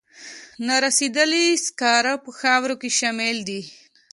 نارسیدلي سکاره په خاورو کې شاملې دي.